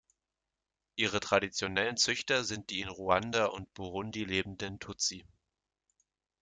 Ihre traditionellen Züchter sind die in Ruanda und Burundi lebenden Tutsi.